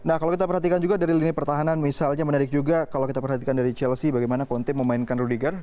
nah kalau kita perhatikan juga dari lini pertahanan misalnya menarik juga kalau kita perhatikan dari chelsea bagaimana konte memainkan rudiger